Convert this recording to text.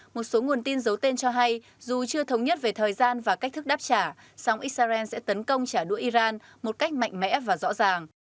một số nguồn tin giấu tên cho hay dù chưa thống nhất về thời gian và cách thức đáp trả song israel sẽ tấn công trả đũa iran một cách mạnh mẽ và rõ ràng